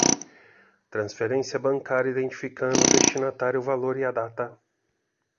Transferência bancária identificando o destinatário, o valor e a data.